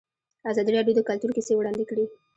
ازادي راډیو د کلتور کیسې وړاندې کړي.